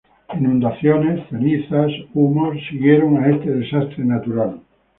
Inundaciones, cenizas, humos siguieron a este desastre natural.